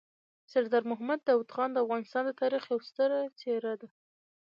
سردار محمد داود خان د افغانستان د تاریخ یو ستره څېره ده.